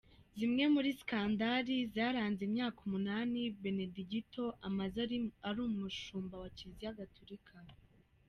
Zimwe muri sikandali zaranze imyaka umunani Benedigito amaze ari umushumba wa kiliziya Gatolika